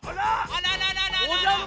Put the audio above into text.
あらららららら。